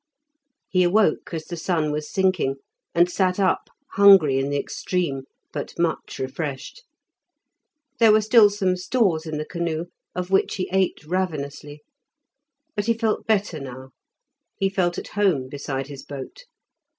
He awoke as the sun was sinking and sat up, hungry in the extreme, but much refreshed. There were still some stores in the canoe, of which he ate ravenously. But he felt better now; he felt at home beside his boat.